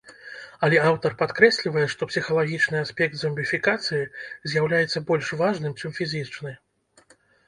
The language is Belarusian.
Але аўтар падкрэслівае, што псіхалагічны аспект зомбіфікацыі з'яўляецца больш важным, чым фізічны.